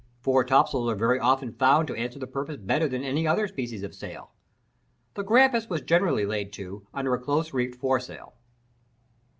Foretopsails are very often found to answer the purpose better than any other species of sail. The Grampus was generally laid to under a close reefed foresail.